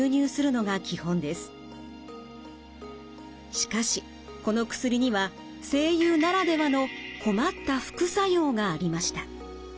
しかしこの薬には声優ならではの困った副作用がありました。